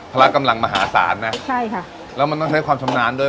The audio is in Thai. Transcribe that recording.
ละกำลังมหาศาลนะใช่ค่ะแล้วมันต้องใช้ความชำนาญด้วย